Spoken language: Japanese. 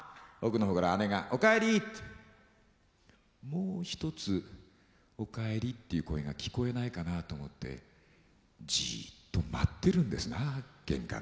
もう一つお帰りっていう声が聞こえないかなと思ってジッと待ってるんですな玄関で。